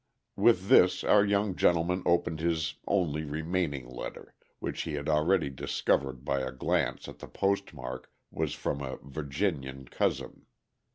With this our young gentleman opened his only remaining letter, which he had already discovered by a glance at the postmark was from a Virginian cousin.